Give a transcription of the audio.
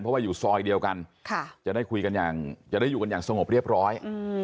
เพราะว่าอยู่ซอยเดียวกันจะได้คุยกันอย่างจะได้อยู่กันอย่างสงบเรียบร้อย